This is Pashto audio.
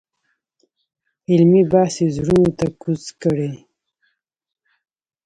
علمي بحث یې زړونو ته کوز کړی.